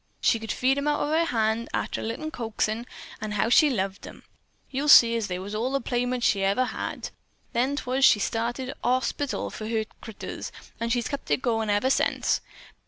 She could feed 'em out of her hand, arter a little coaxin', an' how she loved 'em! You see, they was all the playmates she's ever had. Then 'twas she started her horspital for hurt critters, an' she's kept it goin' ever sence.